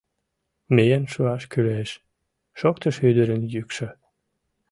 — Миен шуаш кӱлеш! — шоктыш ӱдырын йӱкшӧ.